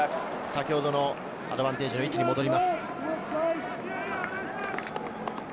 先ほどのアドバンテージの位置に戻ります。